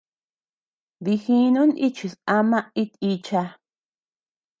Dijinun nichis ama it icha.